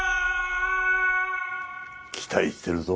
期待してるぞ。